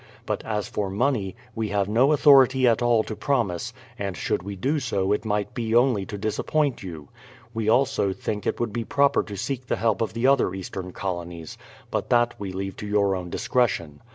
But as for money, we have no authority at all to promise, and should we do so it might be only to disappoint you. We also think it would be proper to seek the help of the other Eastern colonies ; but that we leave to your own discretion.